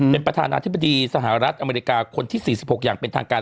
เป็นประธานาธิบดีสหรัฐอเมริกาคนที่๔๖อย่างเป็นทางการ